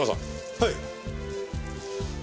はい。